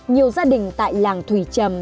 nhiều gia đình tại làng thủy trầm